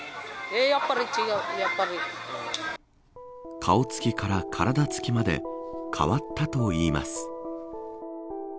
顔つきから体つきまで変わったといいます。